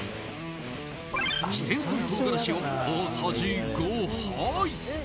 四川産唐辛子を大さじ５杯。